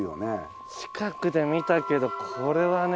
近くで見たけどこれはね。